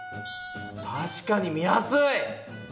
確かに見やすい！